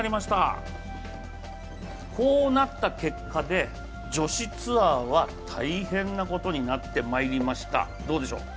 こうなった結果で女子ツアーは大変なことになってまいりました。